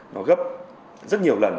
nó gấp rất nhiều lần